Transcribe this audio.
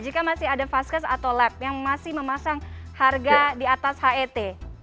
jika masih ada vaskes atau lab yang masih memasang harga di atas het